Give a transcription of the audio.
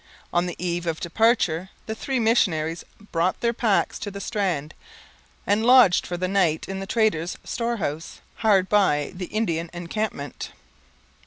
On the eve of departure the three missionaries brought their packs to the strand, and lodged for the night in the traders' storehouse, hard by the Indian encampment.